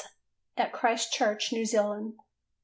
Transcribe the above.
at Christchurch, New Zealand.